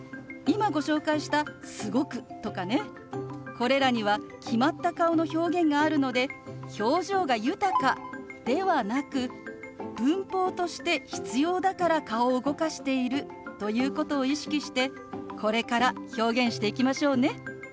これらには決まった顔の表現があるので「表情が豊か」ではなく文法として必要だから顔を動かしているということを意識してこれから表現していきましょうね。